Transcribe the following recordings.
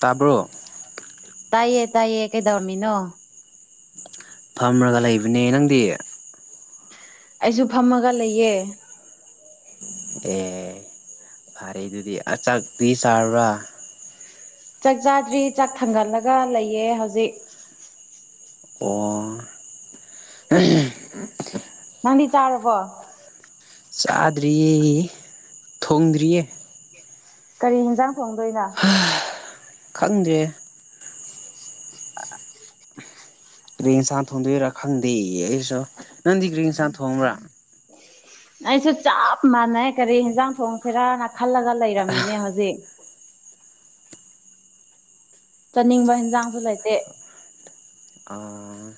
ꯇꯥꯕ꯭ꯔꯣ ꯇꯥꯏꯌꯦ ꯇꯥꯏꯌꯦ ꯀꯩꯗꯧꯔꯝꯃꯤꯅꯣ ꯐꯝꯔꯒ ꯂꯩꯕꯅꯦ ꯅꯪꯗꯤ ꯑꯩꯁꯨ ꯐꯝꯃꯒ ꯂꯩꯌꯦ ꯑꯦ ꯐꯔꯦ ꯑꯗꯨꯗꯤ ꯑ ꯆꯥꯛꯇꯤ ꯆꯥꯔꯕ꯭ꯔꯥ ꯆꯥꯛ ꯆꯥꯗ꯭ꯔꯤ ꯆꯥꯛ ꯊꯥꯡꯒꯠꯂꯒ ꯂꯩꯌꯦ ꯍꯧꯖꯤꯛ ꯑꯣ ꯅꯪꯗꯤ ꯆꯥꯔꯕꯣ ꯆꯥꯗ꯭ꯔꯤꯌꯦ ꯊꯣꯡꯗ꯭ꯔꯤꯌꯦ ꯀꯔꯤ ꯌꯦꯟꯁꯥꯡ ꯊꯣꯡꯗꯣꯏꯅꯣ ꯈꯪꯗ꯭ꯔꯦ ꯀꯔꯤ ꯏꯟꯁꯥꯡ ꯊꯣꯡꯗꯣꯏꯔꯥ ꯈꯪꯗꯦ ꯑꯩꯁꯨ ꯅꯪꯗꯤ ꯀ꯭ꯔꯔꯤ ꯏꯟꯁꯥꯡ ꯊꯣꯡꯕ꯭ꯔꯥ ꯑꯩꯁꯨ ꯆꯞ ꯃꯥꯟꯅꯩ ꯀꯔꯤ ꯌꯦꯦꯟꯖꯥꯡ ꯊꯣꯡꯁꯤꯦꯔꯅ ꯈꯜꯂꯒ ꯂꯩꯔꯝꯃꯤꯅꯦ ꯍꯧꯖꯤꯛ [unintelligible] ꯆꯥꯅꯤꯡꯕ ꯌꯦꯟꯁꯥꯡꯁꯨ ꯂꯩꯇꯦ ꯑ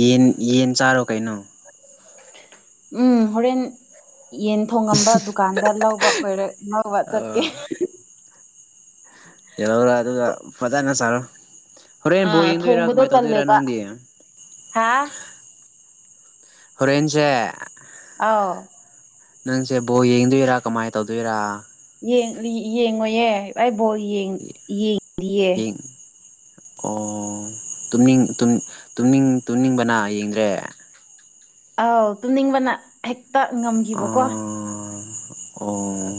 ꯌꯦꯟ ꯌꯦꯟ ꯆꯥꯔꯣ ꯀꯩꯅꯣ ꯎꯝ ꯍꯣꯔꯦꯟ ꯌꯦꯟ ꯊꯣꯡꯉꯝꯕ ꯗꯨꯀꯥꯟꯗ ꯂꯧ ꯕ ꯊꯕꯛ ꯂꯣꯢꯔ ꯂꯧꯕ ꯆꯠꯀꯦ [unintelligible] ꯑꯗꯨꯒ ꯐꯖꯅ ꯆꯥꯔꯣ ꯍꯣꯔꯦꯟ ꯑꯥ ꯕꯣꯜ ꯌꯦꯡꯗꯣꯏꯔꯥ ꯊꯣꯡꯕꯗꯣ ꯀꯃꯥꯏ ꯇꯧꯗꯣꯏꯔꯥ ꯇꯜꯂꯦꯕ ꯅꯪꯗꯤ ꯍꯥ ꯍꯣꯔꯦꯟꯁꯦ ꯑꯥꯎ ꯅꯪꯁꯦ ꯕꯣꯜ ꯌꯦꯡꯗꯣꯏꯔꯥ ꯀꯃꯥꯏ ꯇꯧꯗꯣꯏꯔꯥ ꯌꯦꯡ ꯌꯦꯡꯉꯣꯢꯌꯦ ꯑꯩ ꯕꯣꯜ ꯌꯦꯡ ꯌꯦꯡꯗꯤꯌꯦ [unintelligible] ꯑꯣ ꯇꯨꯝꯅꯤꯡ ꯇꯨꯝ ꯇꯨꯝꯅꯤꯡ ꯇꯨꯝꯅꯤꯡꯕꯅ ꯌꯦꯡꯗ꯭ꯔꯦ ꯑꯥꯎ ꯇꯨꯝꯅꯤꯡꯕꯅ ꯍꯦꯛꯇ ꯉꯝꯒꯤꯕꯀꯣ ꯑꯣ ꯑꯣ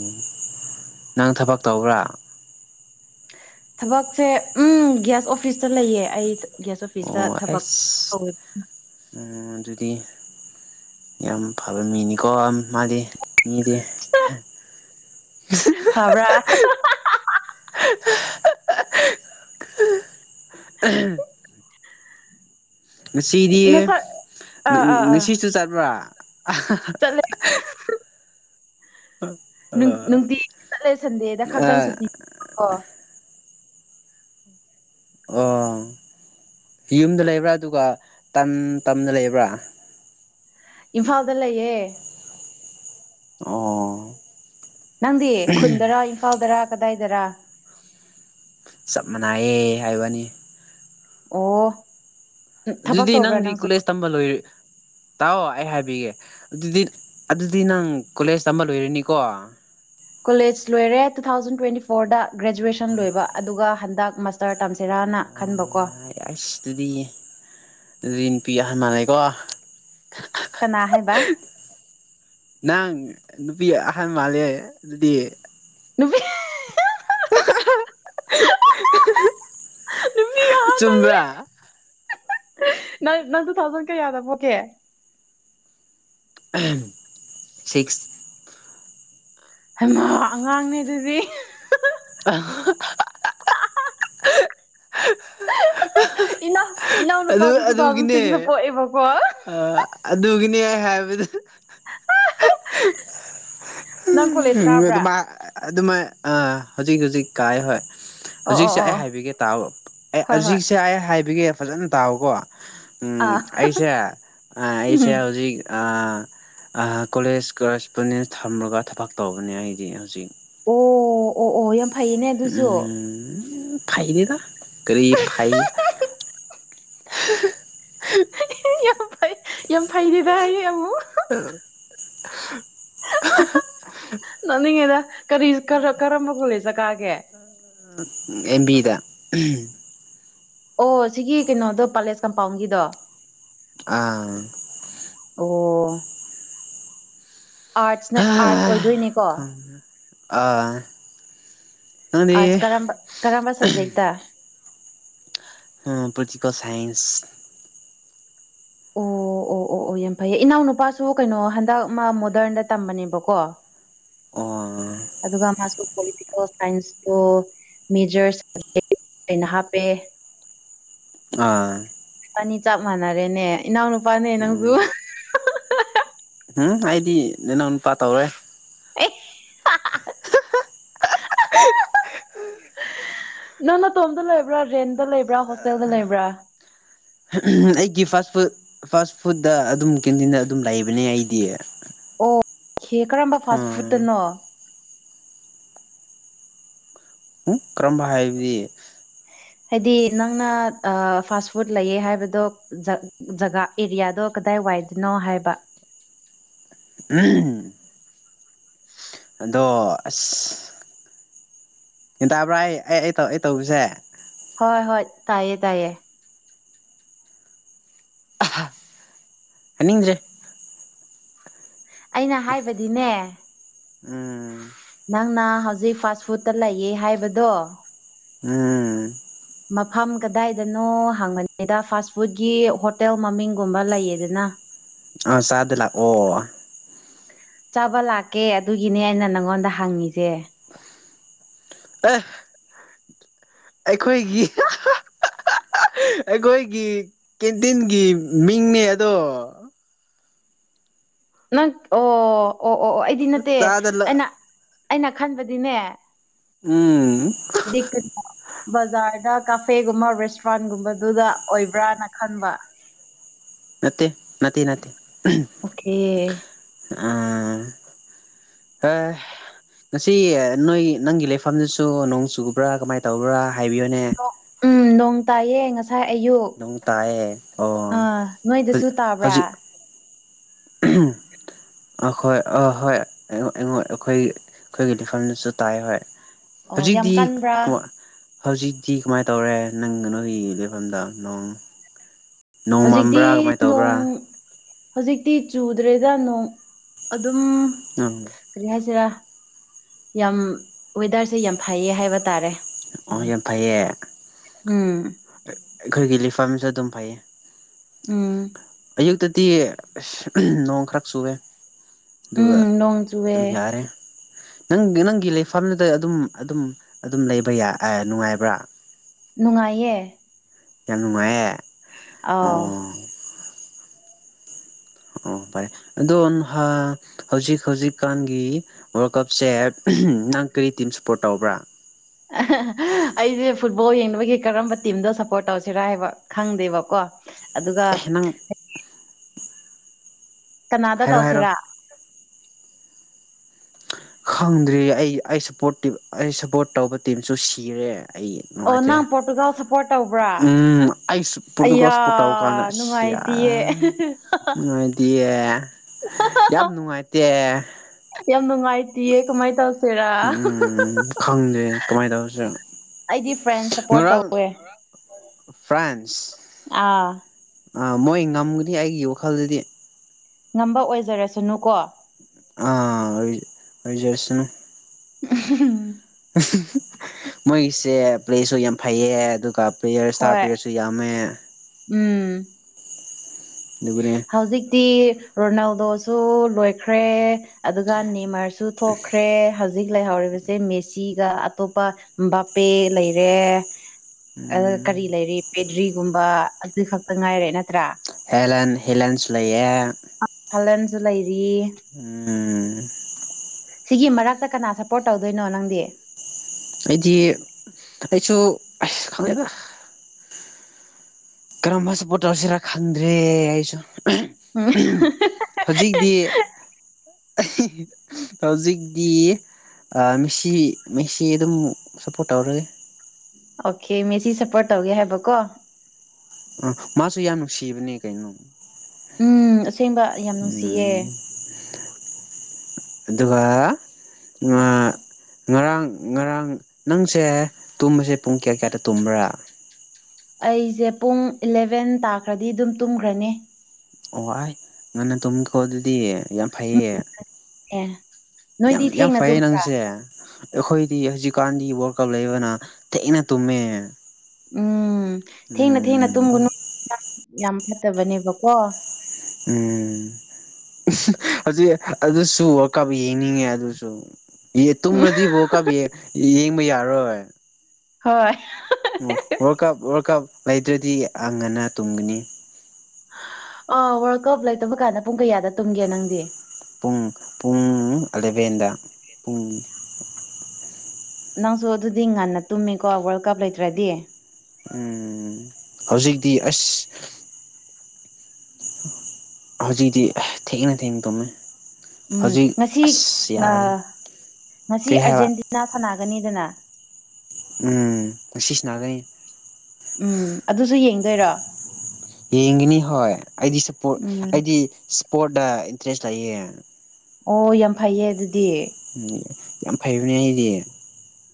ꯅꯪ ꯊꯕꯛ ꯇꯧꯕ꯭ꯔ ꯊꯕꯛꯁꯦ ꯎꯝ ꯒ꯭ꯌꯥꯁ ꯑꯣꯐꯤꯁꯇ ꯂꯩꯌꯦ ꯑꯩ ꯒ꯭ꯌꯥꯁ ꯑꯣꯐꯤꯁꯇ ꯊꯕꯛ ꯇꯧꯋꯦ ꯑ ꯑꯗꯨꯗꯤ ꯌꯥꯝ ꯐꯕ ꯃꯤꯅꯤ ꯀꯣ ꯃꯥꯗꯤ ꯃꯤꯗꯤ ꯐꯕ꯭ꯔꯥ [unintelligible] ꯑꯍꯝ ꯉꯁꯤꯗꯤ ꯉꯁꯛ ꯑꯥ ꯑꯥ ꯑꯥ ꯉꯁꯤꯁꯨ ꯆꯠꯄ꯭ꯔꯥ ꯑꯍꯍ [unintelligible] ꯆꯠꯂꯦ ꯅꯨꯡ ꯅꯨꯡꯇꯤ ꯆꯠꯂꯦ ꯁꯟꯗꯦꯗ ꯈꯛꯇꯪ ꯁꯨꯇꯤ ꯄꯤꯕꯀꯣ ꯑꯣ ꯌꯨꯝꯗ ꯂꯩꯕ꯭ꯔ ꯑꯗꯨꯒ ꯇꯝ ꯇꯝꯗ ꯂꯩꯕ꯭ꯔ ꯏꯝꯐꯥꯜꯗ ꯂꯩꯌꯦ ꯑꯣ ꯅꯪꯗꯤ ꯈꯨꯟꯗꯔ ꯏꯝꯐꯥꯜꯗꯔ ꯀꯗꯥꯏꯗꯔ ꯆꯞ ꯃꯥꯟꯅꯩꯌꯦ ꯍꯥꯏꯕꯅꯤ ꯑꯣ ꯎꯝ ꯊꯕꯛ ꯑꯗꯨꯗꯤ ꯇꯧꯕ꯭ꯔꯥ ꯅꯪꯗꯤ ꯅꯪꯁꯨ ꯀꯣꯂꯦꯖ ꯇꯝꯕ ꯂꯣꯏꯔ ꯇꯥꯛꯑꯣ ꯑꯩ ꯍꯥꯏꯕꯤꯒꯦ ꯑꯗꯨꯗꯤ ꯑꯗꯨꯗꯤ ꯅꯪ ꯀꯣꯂꯦꯖ ꯇꯝꯕ ꯂꯣꯏꯔꯅꯤꯀꯣ ꯀꯣꯂꯦꯖ ꯂꯣꯏꯔꯦ ꯇꯨ ꯊꯥꯎꯖꯟ ꯇ꯭ꯋꯦꯟꯇꯤ ꯐꯣꯔꯗ ꯒ꯭ꯔꯦꯖꯨꯋꯦꯁꯟ ꯂꯣꯏꯕ ꯑꯗꯨꯒ ꯍꯟꯗꯛ ꯃꯁꯇꯔ ꯇꯝꯁꯤꯔꯥꯅ ꯈꯟꯕꯀꯣ ꯑꯥꯏ ꯑꯩꯁꯇꯨꯗꯤ ꯗꯨꯗꯤ ꯅꯨꯄꯤ ꯑꯍꯟ ꯃꯥꯟꯂꯦꯀꯣ ꯀꯅꯥ ꯍꯥꯏꯕ ꯅꯪ ꯅꯨꯄꯤ ꯑꯍꯟ ꯃꯥꯜꯂꯦ ꯑꯗꯨꯗꯤ ꯅꯨꯄꯤ [unintelligible] ꯑꯍꯍ [unintelligible] ꯅꯨꯃꯤ ꯑꯍꯟ ꯑꯌꯦ ꯆꯨꯝꯕ꯭ꯔꯥ ꯅꯪ ꯅꯪ ꯇꯨ ꯊꯥꯎꯖꯟ ꯀꯌꯥꯗ ꯄꯣꯛꯀꯦ [unintelligible] ꯁꯤꯛꯁ ꯍꯩꯃꯥ ꯑꯉꯥꯡꯅꯦ ꯑꯗꯨꯗꯤ [unintelligible] [unintelligible] ꯏꯅꯥꯎ ꯑꯗꯨ ꯏꯅꯥꯎꯅꯨꯄꯥꯁꯨ ꯇꯨ ꯊꯥꯎꯖꯟ ꯑꯗꯨꯒꯤꯅꯦ ꯁꯤꯛꯁꯇ ꯄꯣꯛꯑꯦꯕꯀꯣ ꯑ ꯑꯗꯨꯒꯤꯅꯦ ꯑꯩ ꯍꯥꯏꯕꯗ ꯅꯪ ꯀꯣꯂꯦꯖ ꯀꯥꯕ꯭ꯔꯥ ꯑꯗꯨꯃꯥꯏ ꯑꯗꯨꯃꯥꯏ ꯑꯥ ꯍꯧꯖꯤꯛ ꯍꯧꯖꯤꯛ ꯀꯥꯏ ꯍꯣꯏ ꯑꯣ ꯑꯣ ꯍꯖꯤꯛꯁꯦ ꯑꯩ ꯑꯣ ꯍꯥꯏꯕꯤꯒꯦ ꯇꯥꯎꯑꯣ ꯑꯩ ꯍꯣꯏ ꯍꯣꯏ ꯍꯖꯤꯛꯁꯦ ꯑꯩ ꯍꯥꯏꯕꯤꯒꯦ ꯐꯖꯅ ꯇꯥꯎꯑꯣꯀꯣ ꯎꯝ ꯑꯥ ꯑꯩꯁꯦ ꯑ ꯎꯝ ꯑꯩꯁꯦ ꯍꯧꯖꯤꯛ ꯑ ꯑ ꯀꯣꯂꯦꯖ ꯀꯔꯦꯁꯄꯣꯟꯗꯦꯟ ꯊꯝꯃꯒ ꯊꯕꯛ ꯇꯧꯕꯅꯦ ꯑꯩꯗꯤ ꯍꯧꯖꯤꯛ ꯑꯣ ꯑꯣ ꯑꯣ ꯌꯥꯝ ꯐꯩꯌꯦꯅꯦ ꯑꯗꯨꯁꯨ ꯎꯝ ꯐꯩꯗꯦꯗ ꯀꯔꯤ ꯐꯩ [unintelligible] ꯌꯥꯝ ꯐꯩ ꯌꯥꯝ ꯐꯩꯗꯦꯗ ꯍꯥꯏꯌꯦ ꯑꯃꯨꯛ [unintelligible] ꯅꯅꯤꯡꯉꯤꯗ ꯀꯔꯤ ꯀꯔꯝꯕ ꯀꯣꯂꯦꯁꯇ ꯀꯥꯒꯦ ꯎꯝ ꯑꯣ ꯁꯤꯒꯤ ꯀꯩꯅꯣꯗꯣ ꯄꯦꯂꯦꯁ ꯀꯝꯄꯥꯎꯟꯒꯤꯗꯣ ꯑꯥ ꯑꯣ ꯑꯥꯔꯠꯁꯅ ꯑꯥꯔꯠꯁ ꯑꯣꯏꯗꯣꯏꯅꯦꯀꯣ ꯑ ꯑꯔꯠꯁ ꯀꯔꯝꯕ ꯀꯔꯝꯕ ꯁꯕꯖꯦꯛꯇ ꯑ ꯄꯣꯂꯤꯇꯤꯀꯦꯜ ꯁꯥꯏꯟꯁ ꯑꯣ ꯑꯣ ꯑꯣ ꯑꯣ ꯑꯣ ꯌꯥꯝ ꯐꯩꯌꯦ ꯏꯅꯥꯎ ꯅꯨꯨꯄꯥꯁꯨ ꯀꯩꯅꯣ ꯍꯟꯗꯛ ꯃꯥ ꯃꯣꯗꯔꯟꯗ ꯇꯝꯕꯅꯦꯕꯀꯣ ꯑꯣ ꯑꯗꯨꯒ ꯃꯥꯁꯨ ꯄꯣꯂꯤꯇꯤꯀꯦꯜ ꯁꯥꯏꯟꯁꯇꯣ ꯃꯦꯖꯔ ꯁꯕꯖꯦꯛ ꯑꯣꯏꯅ ꯍꯥꯞꯄꯦ ꯑꯥ ꯄꯥꯅꯤ ꯆꯞ ꯃꯥꯟꯅꯔꯦꯅꯦ ꯏꯅꯥꯎꯅꯨꯄꯥꯅꯦ ꯅꯪꯁꯨ ꯎꯝ ꯎꯝ ꯍꯥꯏꯗꯤ ꯅꯅꯥꯎꯅꯨꯄ ꯇꯧ꯭ꯔꯣꯏ ꯑꯁ [unintelligible] ꯅꯪ ꯅ ꯇꯣꯝꯗ ꯂꯩꯕ꯭ꯔꯥ ꯔꯦꯟꯗ ꯂꯩꯕ꯭ꯔꯥ ꯍꯣꯁꯇꯦꯜꯗ ꯂꯩꯕ꯭ꯔꯥ ꯑꯩꯒꯤ ꯐꯥꯁ ꯐꯨꯗ ꯐꯥꯁ ꯐꯨꯗ ꯑꯗꯨꯝ ꯀꯦꯟꯇꯤꯟꯗ ꯑꯗꯨꯝ ꯂꯩꯕꯅꯦ ꯑꯩꯗꯤ ꯑꯣꯀꯦ ꯀꯔꯝꯕ ꯐꯥꯁ ꯎꯝ ꯐꯨꯗꯠꯇꯅꯣ ꯎ ꯀꯔꯝꯕ ꯍꯥꯏꯕꯗꯤ ꯍꯥꯏꯗꯤ ꯅꯪꯅ ꯐꯥꯁ ꯐꯨꯗ ꯂꯩꯌꯦ ꯍꯥꯏꯕꯗꯣ ꯖꯒꯥ ꯑꯦꯔꯤꯌꯥꯗꯣ ꯀꯗꯥꯏ ꯋꯥꯏꯗꯅꯣ ꯍꯥꯏꯕ ꯎꯝ ꯑꯗꯣ ꯑꯁ ꯒꯌꯥꯟ ꯇꯥꯕ꯭ꯔꯥ ꯑꯩ ꯑꯩ ꯑꯩ ꯇꯧ ꯑꯩ ꯇꯧꯕꯁꯦ ꯍꯣꯏ ꯍꯣꯏ ꯇꯥꯏꯌꯦ ꯇꯥꯏꯌꯦ ꯍꯟꯅꯤꯡꯗꯔꯦ ꯑꯩꯅ ꯍꯥꯏꯕꯗꯤꯅꯦ ꯎꯝ ꯅꯪꯅ ꯍꯧꯖꯤꯛ ꯐꯥꯁ ꯐꯨꯗꯠꯇ ꯂꯩꯌꯦ ꯍꯥꯏꯕꯗꯣ ꯎꯝ ꯃꯐꯝ ꯀꯗꯥꯏꯗꯅꯣ ꯍꯪꯕꯅꯤꯗ ꯐꯥꯁ ꯐꯨꯗꯀꯤ ꯍꯣꯇꯦꯜ ꯃꯃꯤꯡꯒꯨꯝꯕ ꯂꯩꯌꯦꯗꯅ ꯑ ꯑ ꯆꯗ ꯂꯥꯛ ꯑꯣ ꯆꯥꯕ ꯂꯥꯛꯀꯦ ꯑꯗꯨꯒꯤꯅꯦ ꯑꯩꯅ ꯅꯪꯉꯣꯟꯗ ꯍꯪꯉꯤꯁꯦ ꯑꯦ ꯑꯩꯈꯣꯏꯒꯤ ꯑꯩꯈꯣꯏꯒꯤ ꯀꯦꯟꯇꯤꯟꯒꯤ ꯃꯤꯡꯅꯦ ꯑꯗꯣ ꯅꯪ ꯑꯣ ꯑꯣ ꯑꯣ ꯑꯣ ꯑꯩꯗꯤ ꯅꯠꯇꯦ ꯆꯥꯗ ꯂ ꯑꯩꯅ ꯑꯩꯅ ꯈꯟꯕꯗꯤ ꯗꯤꯅꯦ ꯎꯝ ꯂꯩ ꯕꯖꯥꯔꯗ ꯀꯥꯐꯦꯒꯨꯝꯕ ꯔꯦꯁꯇꯨꯔꯦꯟꯒꯨꯝꯕꯗꯨꯗ ꯑꯣꯏꯕ꯭ꯔꯅ ꯈꯟꯕ ꯅꯠꯇꯦ ꯅꯅꯥꯠꯇꯦ ꯑꯣꯀꯦ ꯎꯝ ꯍ ꯉꯁꯤ ꯅꯣꯏ ꯅꯪꯒꯤ ꯂꯩꯐꯝꯗꯨꯁꯨ ꯅꯣꯡ ꯆꯨꯕ꯭ꯔꯥ ꯀꯃꯥꯏꯅ ꯇꯧꯕ꯭ꯔꯥ ꯍꯥꯏꯕꯤꯌꯨꯅꯦ ꯎꯝ ꯅꯣꯡ ꯇꯥꯏꯌꯦ ꯉꯁ ꯉꯁꯥꯏ ꯑꯌꯨꯛ ꯅꯣꯡ ꯇꯥꯏꯌꯦ ꯑꯣ ꯑꯥ ꯅꯣꯏꯗꯁꯨ ꯇꯥꯕ꯭ꯔꯥ ꯎꯝ ꯑꯍꯣꯏ ꯑ ꯍꯣꯏ ꯑꯩꯉꯣꯟ ꯑꯩꯈꯣꯏ ꯑꯩꯈꯣꯏꯒꯤ ꯂꯩꯐꯝꯗꯁꯨ ꯇꯥꯏ ꯍꯣꯏ ꯑꯣ ꯌꯥꯝ ꯍꯧꯖꯤꯛꯗꯤ ꯀꯟꯕ꯭ꯔꯥ ꯍꯧꯖꯤꯛꯇꯤ ꯀꯃꯥꯏꯅ ꯇꯧꯔꯦ ꯅꯪ ꯅꯣꯏꯒꯤ ꯂꯩꯐꯝꯗ ꯅꯣꯡ ꯅꯣꯡ ꯍꯧꯖꯤꯛꯇꯤ ꯃꯝꯕ꯭ꯔꯥ ꯀꯃꯥꯏꯅ ꯇꯧꯕ꯭ꯔꯥ ꯅꯣꯡ ꯍꯧꯖꯤꯛꯇꯤ ꯆꯨꯗ꯭ꯔꯦꯗ ꯅꯣꯡ ꯑꯗꯨꯝ ꯎꯝ ꯀꯔꯤ ꯍꯥꯏꯁꯤꯔꯥ ꯌꯥꯝ ꯋꯦꯗꯔꯁꯦ ꯌꯥꯝ ꯐꯩꯌꯦ ꯍꯥꯏꯕ ꯇꯥꯔꯦ ꯑꯣ ꯌꯥꯝ ꯐꯩꯌꯦ ꯎꯝ ꯑꯩꯈꯣꯏꯒꯤꯦꯂꯤ ꯂꯤꯐꯥꯝꯃꯤꯁꯨ ꯑꯗꯨꯝ ꯐꯩꯌꯦ ꯎꯝ ꯑꯌꯨꯛꯇꯗꯤ ꯅꯣꯡ ꯈꯔ ꯆꯨꯏꯦ ꯑꯗꯨꯒ ꯎꯝ ꯅꯣꯡ ꯆꯨꯑꯦ ꯑꯗꯨꯝ ꯌꯥꯔꯦ ꯅꯪ ꯅꯪꯒꯤ ꯂꯩꯐꯝꯗꯨꯗ ꯑꯗꯨꯝ ꯑꯗꯨꯝ ꯑꯗꯨꯝ ꯂꯩꯕ ꯌꯥ ꯅꯨꯡꯉꯥꯏꯕ꯭ꯔꯥ ꯅꯨꯡꯉꯥꯏꯌꯦ ꯌꯥꯝ ꯅꯨꯉꯥꯏꯌ ꯑ ꯑꯣ ꯐꯚꯥꯏ ꯑꯗꯣ ꯅꯍ ꯍꯧꯖꯤꯛ ꯍꯧꯖꯤꯛꯀꯥꯟꯒꯤ ꯋꯥꯔꯜ ꯀꯞꯁꯦ ꯅꯪ ꯀꯔꯤ ꯇꯤꯝ ꯁꯞꯄꯣꯔꯠ ꯇꯧꯕ꯭ꯔꯥ ꯑꯩꯁꯦ ꯐꯨꯠꯕꯣꯜ ꯌꯦꯡꯅꯕꯒꯤ ꯀꯔꯝꯕ ꯇꯤꯝꯗꯣ ꯁꯞꯄꯣꯔꯠ ꯇꯧꯁꯤꯔꯥ ꯍꯥꯏꯕ ꯈꯪꯗꯦꯕꯀꯣ ꯑꯗꯨꯒ ꯑꯦ ꯅꯪ ꯀꯅꯥꯗ ꯍꯥꯏꯔꯣ ꯍꯥꯏꯔꯣ ꯇꯧꯁꯤꯔꯥ ꯈꯪꯗ꯭ꯔꯤ ꯑꯩ ꯑꯩ ꯁꯄꯣꯔꯠ ꯑꯩ ꯁꯞꯄꯣꯔꯠ ꯇꯧꯕ ꯇꯤꯝꯁꯨ ꯁꯤꯔꯦ ꯑꯩ ꯑꯣ ꯅꯨꯡꯉꯥꯏꯇꯦ ꯅꯪ ꯄꯣꯔꯇꯨꯒꯥꯜ ꯁꯞꯄꯣꯔꯠ ꯇꯧꯕ꯭ꯔꯥ ꯎꯝ ꯑꯩ ꯑꯌꯥ ꯄꯣꯔꯇꯨꯒꯁ ꯄꯇꯥꯎ ꯀꯥꯟꯗ ꯅꯨꯡꯉꯥꯏꯇꯤꯌꯦ ꯌꯥꯃ ꯅꯨꯡꯉꯥꯏꯗꯤꯌꯦ ꯌꯥꯝ ꯅꯨꯡꯉꯥꯏꯇꯦ ꯅꯨꯡꯉꯥꯏꯇꯌꯦ ꯀꯃꯥꯏꯅ ꯇꯧꯁꯤꯦꯔ ꯎꯝ ꯈꯪꯗꯦ ꯀꯃꯥꯏꯅ ꯇꯧꯁꯤꯔ ꯑꯩꯗꯤ ꯐ꯭ꯔꯦꯟ ꯁꯞꯄꯣꯔꯠ ꯉꯔꯥꯡ ꯇꯧꯋꯦ ꯑꯥ ꯑꯥ ꯃꯣꯏ ꯉꯝꯒꯅꯤ ꯑꯩꯒꯤ ꯋꯥꯈꯜꯗꯗꯤ ꯉꯝꯕ ꯑꯣꯏꯖꯔꯁꯅꯨꯀꯣ ꯑꯥ ꯑꯣꯏꯖꯁꯅ ꯎ ꯃꯣꯏꯒꯤꯁꯦ ꯄ꯭ꯂꯦꯖꯁꯨ ꯌꯥꯝ ꯐꯩꯌꯦ ꯑꯗꯨꯒ ꯄ꯭ꯂꯦꯌꯔ ꯏꯁꯇꯥꯔ ꯍꯣꯏ ꯄ꯭ꯂꯦꯌꯔꯁꯨ ꯌꯥꯝꯃꯦ ꯎꯝ ꯑꯗꯨꯒꯅꯦ ꯍꯧꯖꯤꯛꯇꯤ ꯔꯣꯅꯥꯜꯗꯣꯁꯨ ꯂꯣꯏꯈ꯭ꯔꯦ ꯑꯗꯨꯒ ꯅꯤꯃꯔꯁꯨ ꯊꯣꯛꯈ꯭ꯔꯦ ꯍꯧꯖꯤꯛ ꯂꯩꯍꯧꯔꯤꯕ ꯁꯦ ꯃꯦꯁꯤꯒ ꯑꯇꯣꯞꯄ ꯕꯥꯄꯦ ꯂꯩꯔꯦ ꯑꯗꯨꯒ ꯎꯝ ꯀꯔꯤ ꯂꯩꯔꯤ ꯄꯦꯗ꯭ꯔꯤꯒꯨꯝꯕ ꯑꯗꯨꯏ ꯈꯛꯇ ꯉꯥꯏꯔꯦ ꯅꯠꯇ꯭ꯔꯥ ꯍꯂ ꯍꯂꯦꯟꯁ ꯂꯩꯌꯦ ꯍꯂꯟꯁꯨ ꯂꯩꯔꯤ ꯎꯝ ꯁꯤꯒꯤ ꯃꯔꯛꯇ ꯀꯅꯥ ꯁꯄꯣꯔꯠ ꯇꯧꯗꯣꯏꯅꯣ ꯅꯪꯗꯤ ꯑꯩꯗꯤ ꯑꯩꯁꯨ ꯈꯪꯉꯗ ꯀꯔꯝꯕ ꯁꯄꯣꯠ ꯇꯧꯁꯤꯔꯥ ꯈꯟꯗ꯭ꯔꯦ ꯑꯩꯁꯨ ꯎꯝ ꯍꯧꯖꯤꯛꯇꯤ ꯍꯧꯖꯤꯛꯗꯤ ꯑꯥ ꯃꯦꯁꯤ ꯃꯦꯁꯤ ꯑꯗꯨꯝ ꯁꯞꯄꯣꯠ ꯇꯧꯔꯒꯦ ꯑꯣꯀꯦ ꯃꯦꯁꯤ ꯁꯞꯄꯣꯔꯠ ꯇꯧꯒꯦ ꯍꯥꯏꯕꯀꯣ ꯑ ꯃꯥꯁꯨ ꯌꯥꯝ ꯅꯨꯡꯁꯤꯕꯅꯦ ꯀꯩꯅꯣ ꯎꯝ ꯑꯁꯦꯡꯕ ꯌꯥꯝ ꯅꯨꯡꯁꯤꯌꯦ ꯎꯝ ꯑꯗꯨꯒ ꯉꯔꯥꯡ ꯉꯔꯥꯡ ꯅꯪꯁꯦ ꯇꯨꯝꯕꯁꯦ ꯄꯨꯡ ꯀꯌꯥ ꯀꯌꯥꯗ ꯇꯨꯝꯕ꯭ꯔꯥ ꯑꯩꯁꯦ ꯄꯨꯡ ꯏꯂꯚꯦꯟ ꯇꯥꯈ꯭ꯔꯗꯤ ꯑꯗꯨꯝ ꯇꯨꯝꯈ꯭ꯔꯅꯤ ꯑꯣꯥꯏ ꯉꯟꯅ ꯇꯨꯝꯝꯈꯣ ꯑꯗꯨꯗꯤ ꯌꯥꯝ ꯐꯩꯌꯦ ꯑꯦ ꯌꯥꯝ ꯅꯣꯏꯗꯤ ꯌꯥꯝ ꯊꯦꯡꯅ ꯐꯩꯌꯦ ꯇꯨꯝꯕ꯭ꯔꯥ ꯅꯪꯁꯦ ꯑꯩꯈꯣꯏꯗꯤ ꯍꯧꯖꯤꯛꯀꯥꯟꯗꯤ ꯋꯥꯔꯜ ꯀꯞ ꯂꯩꯕꯅ ꯊꯦꯡꯅ ꯇꯨꯝꯃꯦ ꯎꯝ ꯊꯦꯡꯅ ꯊꯦꯡꯅ ꯎꯝ ꯇꯨꯝꯒꯨꯅ ꯌꯥꯝ ꯐꯠꯇꯕꯅꯦꯕꯀꯣ ꯎꯝ ꯍꯧꯖꯤꯛ ꯑꯗꯨꯁꯨ ꯋꫪꯥꯜ ꯀꯕ ꯌꯦꯡꯅꯤꯡꯉꯦ ꯑꯗꯨꯁꯨ ꯇꯨꯝꯅꯗꯤꯕꯨ ꯀ ꯌꯦꯡꯕ ꯌꯥꯔꯣꯏ ꯍꯣꯏ ꯑꯣ ꯋꯥꯔꯜ ꯀꯞ ꯋꯥꯔꯜ ꯀꯞ ꯂꯩꯗ꯭ꯔꯗꯤ ꯑ ꯉꯟꯅ ꯇꯨꯝꯒꯅꯤ ꯑ ꯋꯥꯔꯜ ꯀꯞ ꯂꯩꯇꯕ ꯀꯥꯟꯗ ꯄꯨꯡ ꯀꯌꯥꯗ ꯇꯨꯝꯒꯦ ꯅꯪꯗꯤ ꯄꯨꯡ ꯄꯨꯡ ꯑꯦꯂꯦꯚꯦꯟꯗ ꯄꯨꯡ ꯅꯪꯁꯨ ꯑꯗꯨꯗꯤ ꯉꯟꯅ ꯇꯨꯝꯃꯤꯀꯣ ꯋꯥꯔꯜ ꯀꯞ ꯂꯩꯇ꯭ꯔꯗꯤ ꯎꯝ ꯍꯧꯖꯤꯛꯇꯤ ꯑꯁ ꯍꯧꯖꯤꯗꯤ ꯊꯦꯡꯅ ꯊꯦꯡꯅ ꯇꯃꯦ ꯎꯝ ꯉꯁꯤ ꯉꯁꯤ ꯀꯔꯤ ꯍꯥꯏꯕ ꯑꯔꯖꯦꯟꯇꯤꯅꯥ ꯁꯅꯥ ꯐꯪꯒꯅꯤꯗꯅ ꯎꯝ ꯉ ꯁꯅꯥꯒꯅꯤ ꯎꯝ ꯑꯗꯨꯁꯨ ꯌꯦꯡꯗꯣꯏꯔꯣ ꯌꯦꯡꯒꯅꯤ ꯍꯣꯏ ꯑꯩꯗꯤ ꯁꯄꯣꯔ ꯎꯝ ꯑꯩꯗꯤ ꯏꯁꯄꯣꯔꯠꯗ ꯏꯟꯇꯔꯦꯁ ꯂꯩꯌꯦ ꯑꯣ ꯌꯥꯝ ꯐꯩꯌꯦ ꯑꯗꯨꯗꯤ ꯎꯝ ꯌꯥꯝ ꯐꯩꯕꯅꯦ ꯑꯩꯗꯤ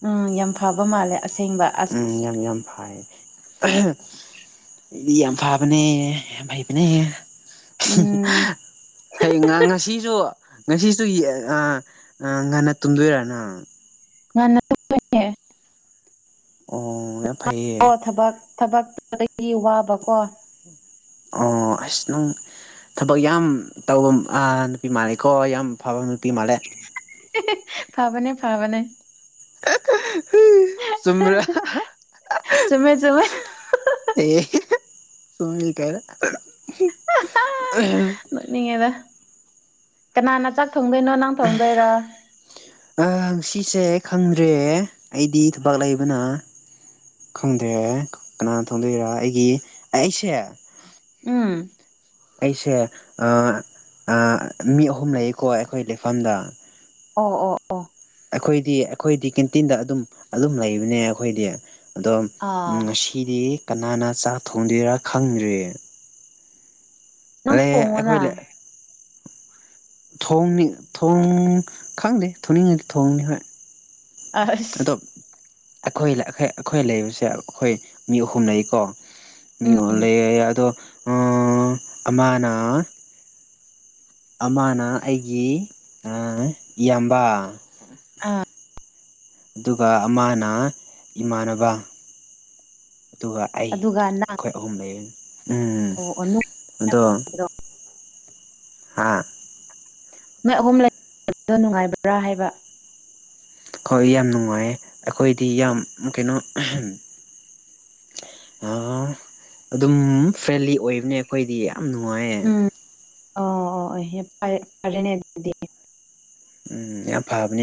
ꯎꯝ ꯌꯥꯝ ꯐꯕ ꯃꯥꯜꯂꯦ ꯑꯁꯦꯡꯕ ꯑꯁ ꯎꯝ ꯌꯥꯝ ꯌꯥꯝ ꯐꯥꯏ ꯏꯗꯤ ꯑꯝꯐꯥꯕꯅꯦ ꯍꯥꯏꯩ ꯄꯅꯦ ꯎꯝ ꯍꯌꯦ ꯉꯁꯤꯁꯨ ꯉꯁꯤꯁꯨ ꯑ ꯉꯟꯅ ꯇꯨꯝꯗꯣꯏꯔꯅ ꯉꯟꯅꯦ [inaudible] ꯑꯣ ꯌꯥꯝ ꯐꯩꯌꯦ ꯊꯕꯛ ꯊꯕꯛꯇꯒꯤ ꯋꯥꯕꯀꯣ ꯑꯣ ꯑꯁ ꯅꯨꯡ ꯊꯕꯛ ꯌꯥꯝ ꯇꯧꯕ ꯅꯨꯄꯤ ꯃꯥꯅꯩꯀꯣ ꯌꯥꯝ ꯐꯕꯝ ꯅꯨꯄꯤ ꯃꯥꯂꯦ ꯐꯕꯅꯦ ꯐꯕꯅꯦ ꯁꯃ꯭ꯔꯥ ꯆꯨꯝꯃꯦ ꯆꯨꯝꯃꯦ ꯑꯦ ꯁꯅꯤ ꯀꯦꯔꯦ ꯅꯠꯅꯤꯡꯉꯦꯗ ꯀꯅꯥꯅ ꯆ ꯊꯣꯡꯗꯣꯏꯅꯣ ꯅꯪ ꯊꯣꯡꯗꯣꯏꯔ ꯁꯤꯁꯦ ꯈꯪꯗ꯭ꯔꯦ ꯑꯩꯗꯤ ꯊꯕꯛ ꯂꯩꯕꯅ ꯈꯪꯗꯦ ꯀꯅꯥꯅꯣ ꯈꯪꯗꯣꯏꯔ ꯑꯩꯒꯤ ꯑꯩ ꯑꯩꯁꯦ ꯎꯝ ꯑꯩꯁꯦ ꯑꯥ ꯑꯥ ꯃꯤ ꯑꯍꯨꯝ ꯂꯩꯀꯣ ꯑꯩꯈꯣꯏ ꯂꯩꯐꯝꯗ ꯑꯣ ꯑꯣ ꯑꯣ ꯑꯩꯈꯣꯏꯗꯤ ꯑꯩꯈꯣꯏꯗꯤ ꯀꯦꯟꯇꯤꯟꯗ ꯑꯗꯨꯝ ꯑꯗꯨꯝ ꯂꯩꯕꯅꯦ ꯑꯩꯈꯣꯏꯗꯤ ꯑꯗꯣ ꯑꯥ ꯉꯁꯤꯗꯤ ꯀꯅꯥꯅ ꯆꯥꯛ ꯊꯣꯡꯗꯣꯏꯔꯥ ꯈꯪꯗ꯭ꯔꯤꯌꯦ ꯑꯥ ꯅꯪ ꯊꯣꯡꯉꯣꯅ ꯑꯩꯈꯣꯏꯂ ꯊꯣꯡ ꯊꯣꯡ ꯈꯪꯗꯦ ꯊꯣꯡꯅꯤꯡꯉꯗꯤ ꯊꯣꯡꯅꯤ ꯍꯣꯏ ꯑꯁ ꯑꯗꯣ ꯑꯩꯈꯣꯏ ꯑꯩꯈꯣꯏ ꯂꯩꯕꯁꯦ ꯑꯩꯈꯣꯏ ꯃꯤ ꯑꯍꯨꯝ ꯂꯩꯀꯣ ꯃꯤ ꯎꯝ ꯎꯝ ꯂꯩꯦ ꯑꯗ ꯑꯥ ꯑꯃꯅꯥ ꯑꯃꯅ ꯑꯩꯒꯤ ꯑꯥ ꯏꯌꯥꯝꯕ ꯑꯥ ꯑꯗꯨꯒ ꯑꯃꯅ ꯏꯃꯥꯟꯅꯕ ꯑꯗꯨꯒ ꯑꯩ ꯑꯗꯨꯒ ꯅꯪ ꯑꯩꯈꯣꯏ ꯑꯍꯨꯝ ꯂꯩꯔꯅꯤ ꯑꯣ ꯑꯣ ꯅꯣꯏ ꯎꯝ ꯑꯗꯣ ꯍꯥꯥ ꯅꯣꯏ ꯑꯍꯨꯝ ꯂꯩꯕꯗꯣ ꯅꯨꯡꯉꯥꯏꯕ꯭ꯔꯥ ꯍꯥꯏꯕ ꯍꯣꯏ ꯌꯥꯝ ꯅꯨꯡꯉꯥꯏ ꯑꯩꯈꯣꯏꯗꯤ ꯌꯥꯝ ꯀꯩꯅꯣ ꯑꯍꯝ ꯑꯥ ꯑꯗꯨꯝ ꯐ꯭ꯔꯦꯟꯂꯤ ꯑꯣꯏꯕꯅꯦ ꯑꯩꯈꯣꯏꯗꯤ ꯌꯥꯝ ꯅꯨꯡꯉꯥꯏꯌꯦ ꯎꯝ ꯑꯣ ꯑꯣ ꯑꯣ ꯐꯔꯅꯦ ꯐꯔꯦꯅꯦ ꯑꯗꯨꯗꯤ ꯎꯝ ꯌꯥꯝ ꯐꯕꯅꯤ